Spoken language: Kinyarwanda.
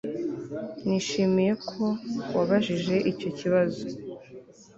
Nishimiye ko wabajije icyo kibazo